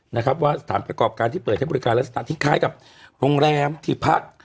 นะครับว่าสถานประกอบการที่เปิดให้บริการลักษณะที่คล้ายกับโรงแรมที่พัก